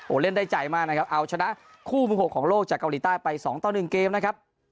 เล่นได้ใจมากนะครับเอาชนะคู่มือ๖ของโลกจากเกาหลีใต้ไป๒ต่อ๑เกมนะครับ